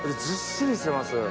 ずっしりしてます。